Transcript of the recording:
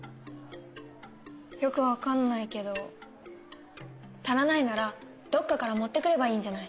よくわかんないけど足らないならどっかから持ってくればいいんじゃない？